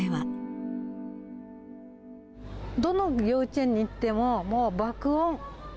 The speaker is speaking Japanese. どの幼稚園に行っても、もう爆音。